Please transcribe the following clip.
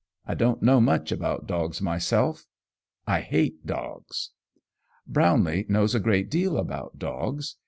I don't know much about dogs myself. I hate dogs. Brownlee knows a great deal about dogs.